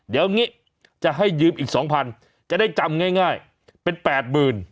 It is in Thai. เดี๋ยวงี้จะให้ยืมอีก๒๐๐๐บาทจะได้จำง่ายเป็น๘๐๐๐๐บาท